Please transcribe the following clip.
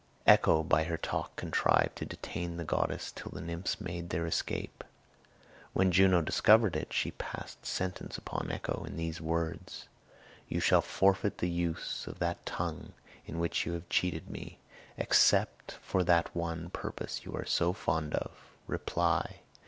Echo by her talk contrived to detain the goddess till the nymphs made their escape. When Juno discovered it, she passed sentence upon Echo in these words: "You shall forfeit the use of that tongue with which you have cheated me, except for that one purpose you are so fond of reply.